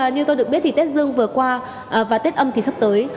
như tôi được biết thì tết dương vừa qua và tết âm thì sắp tới